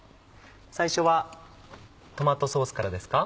最初はトマトソースからですか？